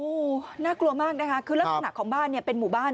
โอ้โหน่ากลัวมากนะคะคือลักษณะของบ้านเนี่ยเป็นหมู่บ้าน